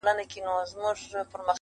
د کسبونو جایدادونو ګروېږني؛